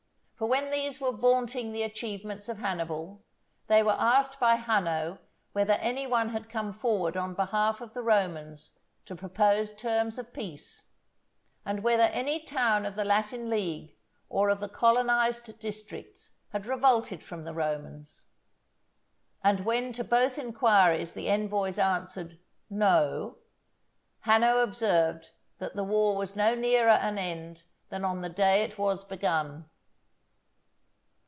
For when these were vaunting the achievements of Hannibal, they were asked by Hanno whether any one had come forward on behalf of the Romans to propose terms of peace, and whether any town of the Latin league or of the colonized districts had revolted from the Romans. And when to both inquiries the envoys answered, "No," Hanno observed that the war was no nearer an end than on the day it was begun.